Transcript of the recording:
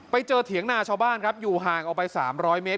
เถียงนาชาวบ้านครับอยู่ห่างออกไป๓๐๐เมตร